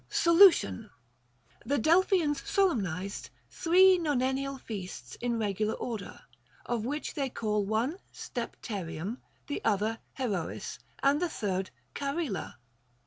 Solution. The Delphians solemnized three nonennial feasts in regular order, of which they call one Stepterium, another Herois, and the third Charila.